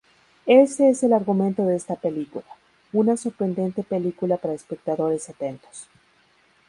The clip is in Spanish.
Ése es el argumento de esta película, una sorprendente película para espectadores atentos.